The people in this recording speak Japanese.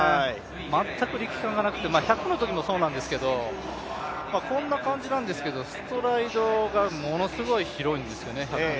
全く力感がなくて、１００のときもそうなんですけれども、こんな感じなんですけど、ストライドがものすごい広いんですよね。